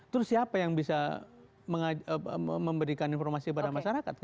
terus siapa yang bisa memberikan informasi kepada masyarakat